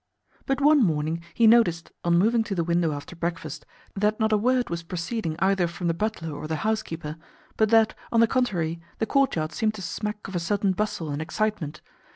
But one morning he noticed, on moving to the window after breakfast, that not a word was proceeding either from the butler or the housekeeper, but that, on the contrary, the courtyard seemed to smack of a certain bustle and excitement.